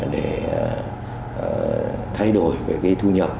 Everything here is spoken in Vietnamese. để thay đổi về cái thu nhập